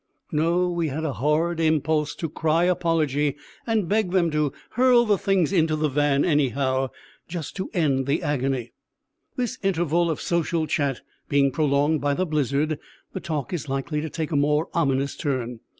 No, we had a horrid impulse to cry apology, and beg them to hurl the things into the van anyhow, just to end the agony. This interval of social chat being prolonged by the blizzard, the talk is likely to take a more ominous turn.